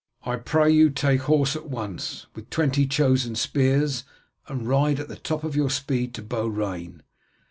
I pray you take horse at once, with twenty chosen spears, and ride at the top of your speed to Beaurain.